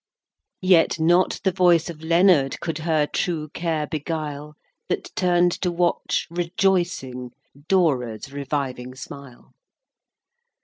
VII. Yet not the voice of Leonard Could her true care beguile, That turn'd to watch, rejoicing, Dora's reviving smile.